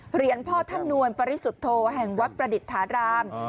เหรียญพ่อท่านนวลปริสุทธโธแห่งวัดประดิษฐาราม